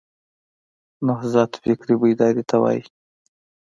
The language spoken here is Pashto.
نهضت فکري بیداري ته وایي.